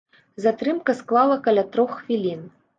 Затрымка склала каля трох хвілін.